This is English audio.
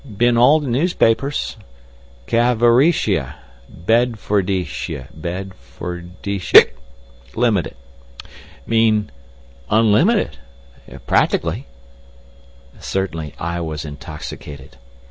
B'in all the newspapers. Cavorecia. Bedfordecia. Bedfordecia—hic—Limited. Mean—unlimited! Practically." Certainly I was intoxicated.